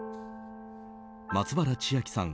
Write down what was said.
松原千明さん